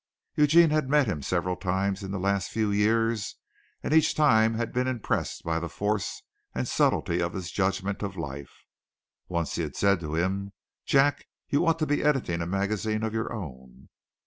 Eugene had met him several times in the last few years and each time had been impressed by the force and subtlety of his judgment of life. Once he had said to him, "Jack, you ought to be editing a magazine of your own."